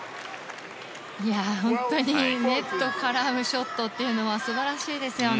本当にネットからのショットは素晴らしいですよね。